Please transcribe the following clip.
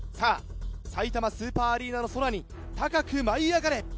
さいたまスーパーアリーナの空に高く舞い上がれ！